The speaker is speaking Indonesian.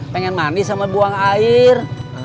pengen mandi sama buang air